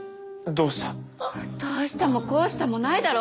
どうしたもこうしたもないだろ！